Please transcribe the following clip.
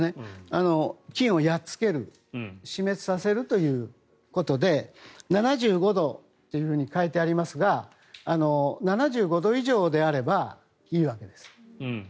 菌をやっつける死滅させるということで７５度と書いてありますが７５度以上であればいいわけです。